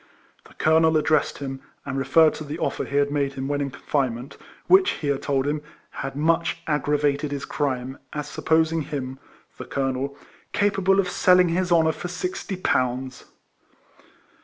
The colonel addressed him, and re ferred to the ofier he had made him when in RIFLEMAN HARRIS. 110 confinement, which, he told him, had much aggravated his crime, as supposing him (the colonel) capable of selling his honour for sixty pounds.